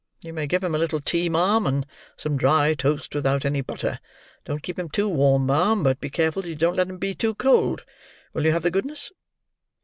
You may give him a little tea, ma'am, and some dry toast without any butter. Don't keep him too warm, ma'am; but be careful that you don't let him be too cold; will you have the goodness?"